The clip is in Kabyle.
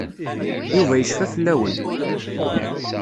Yuba yecfa fell-awen.